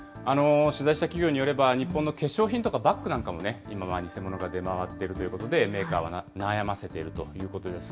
取材した企業によれば、日本の化粧品とかバッグなども、今は偽物が出回っているということで、メーカーを悩ませているということです。